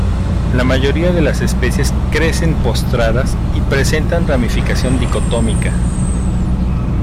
La mayoría de las especies crecen postradas y presentan ramificación dicotómica.